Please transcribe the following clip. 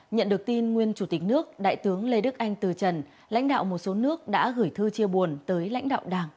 nhận được tin nguyên chủ tịch nước đại tướng lê đức anh từ trần lãnh đạo một số nước đã gửi thư chia buồn tới lãnh đạo đảng